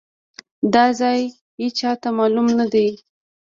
دا ځای ايچاته مالوم ندی.